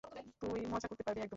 তুই মজা করতে পারবি একদম।